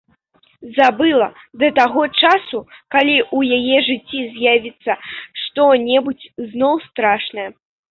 Забыла да таго часу, калі ў яе жыцці з'явіцца што-небудзь зноў страшнае.